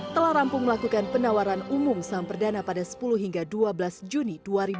telah rampung melakukan penawaran umum saham perdana pada sepuluh hingga dua belas juni dua ribu dua puluh